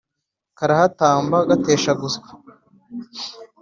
Karahatamba gateshaguzwa,